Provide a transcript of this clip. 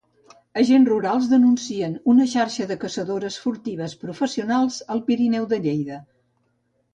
Agents Rurals denuncien una xarxa de caçadores furtives professionals al Pirineu de Lleida.